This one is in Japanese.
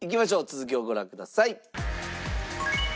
続きをご覧ください。